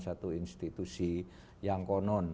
satu institusi yang konon